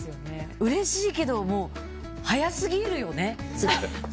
うれしいけどもう、早すぎるよね。